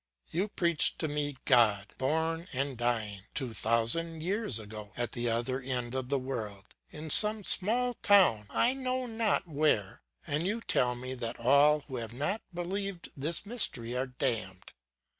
You preach to me God, born and dying, two thousand years ago, at the other end of the world, in some small town I know not where; and you tell me that all who have not believed this mystery are damned.